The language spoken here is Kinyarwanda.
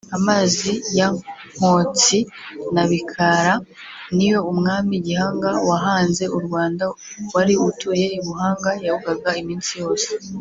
Amazi ya Nkotsi na Bikara niyo umwami Gihanga wahanze u Rwanda wari utuye i Buhanga yogaga iminsi yose